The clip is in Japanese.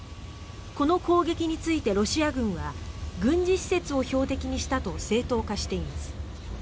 この攻撃についてロシア軍は軍事施設を標的にしたと正当化しています。